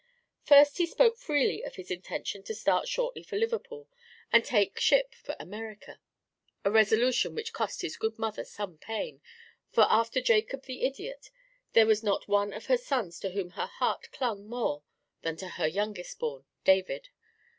First, he spoke freely of his intention to start shortly for Liverpool and take ship for America; a resolution which cost his good mother some pain, for, after Jacob the idiot, there was not one of her sons to whom her heart clung more than to her youngest born, David.